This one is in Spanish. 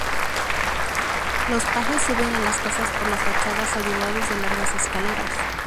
Los pajes suben a las casas por las fachadas ayudados de largas escaleras.